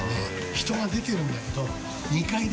人が出てるんだけど伊集院）